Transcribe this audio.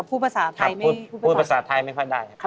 พูดภาษาไทยไม่ค่อยได้ครับ